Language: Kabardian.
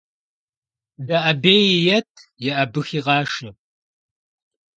ДэӀэбеи ет, еӀэбыхи къашэ.